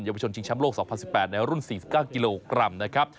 ประชนชิงช้ำโลก๒๐๑๘ในรุ่น๔๙กิโลกรัมนะครับ